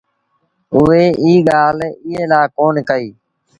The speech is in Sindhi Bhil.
اُئي ايٚ ڳآل ايٚئي لآ ڪون ڪئيٚ